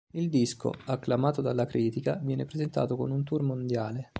Il disco, acclamato dalla critica, viene presentato con un tour mondiale.